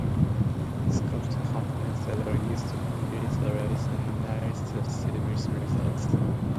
Scopes are components that are used to visualize and analyze the simulation results.